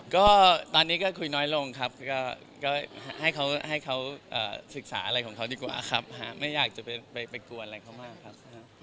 ก็ตอนนี้ก็คุยน้อยลงครับก็ให้เขาให้เขาศึกษาอะไรของเขาดีกว่าครับไม่อยากจะไปกวนอะไรเขามากครับ